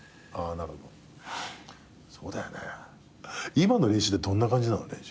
今の練習ってどんな感じなの？